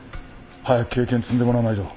早く経験積んでもらわないと。